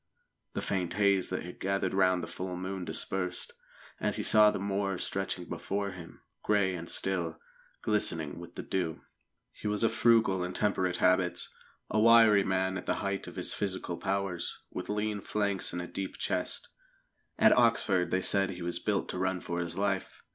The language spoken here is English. The faint haze that had gathered round the full moon dispersed, and he saw the moor stretching before him, grey and still, glistening with dew. He was of frugal and temperate habits, a wiry man at the height of his physical powers, with lean flanks and a deep chest. At Oxford they had said he was built to run for his life.